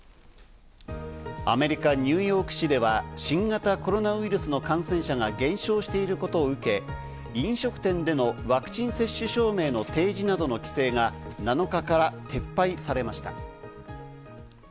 アメリカ・ニューヨーク市では新型コロナウイルスの感染者が減少していることを受け、飲食店でのワクチン接種証明の提示などの規制が７日から撤廃されました。